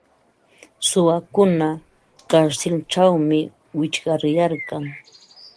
Suwakuna karsilćhawmi wichqaryarkan.